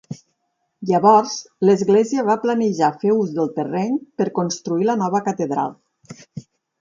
Llavors, l'església va planejar fer ús del terreny per construir la nova catedral.